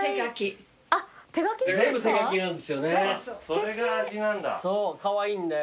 それが味なんだ。